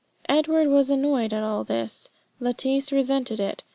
Edward was annoyed at all this; Lettice resented it.